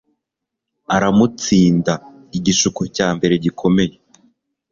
aramutsinda Igishuko cya mbere gikomeye